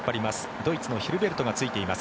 ドイツのヒルベルトがついています。